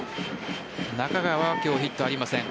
中川は今日ヒットありません。